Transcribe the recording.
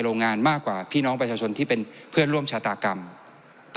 โรงงานมากกว่าพี่น้องประชาชนที่เป็นเพื่อนร่วมชะตากรรมต่อ